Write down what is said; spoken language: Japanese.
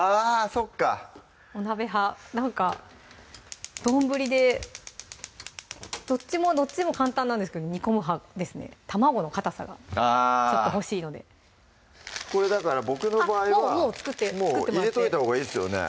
そっかお鍋派なんか丼でどっちも簡単なんですけど煮込む派ですね卵のかたさがちょっと欲しいのでこれだからボクの場合はもう作ってもらって入れといたほうがいいですよね